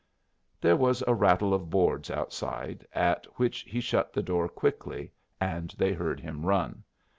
There was a rattle of boards outside, at which he shut the door quickly, and they heard him run.